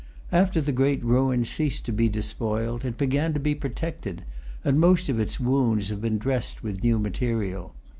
After the great ruin ceased to be despoiled, it began to be protected, and most of its wounds have been dressed with new material.